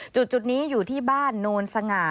จุดนี้อยู่ที่บ้านโนนสง่า